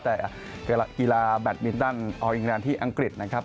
แต่กีฬาแบทมิตต์ด้านอังกฤษนะครับ